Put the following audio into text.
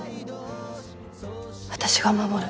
私が守る。